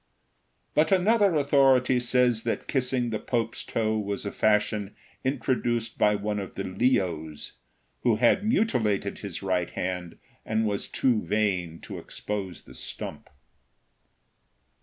But another authority says that kissing the Pope's toe was a fashion introduced by one of the Leos, who had mutilated his right hand and was too vain to expose the stump.